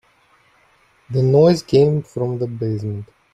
The noise came from the basement.